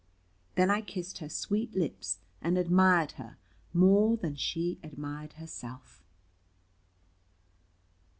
Then I kissed her sweet lips, and admired her, more than she admired herself.